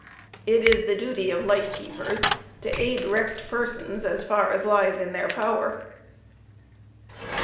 It is the duty of light keepers to aid wrecked persons as far as lies in their power.